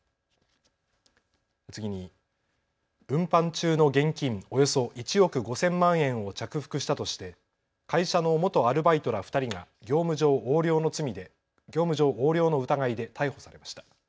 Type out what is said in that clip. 次に、運搬中の現金およそ１億５０００万円を着服したとして会社の元アルバイトら２人が業務上横領の疑いで逮捕されました。